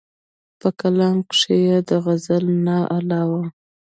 پۀ کلام کښې ئې د غزل نه علاوه